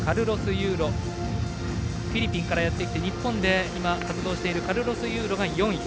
フィリピンからやってきて日本で今、活動しているカルロス・ユーロが４位。